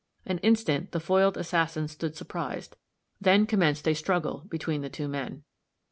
An instant the foiled assassin stood surprised; then commenced a struggle between the two men.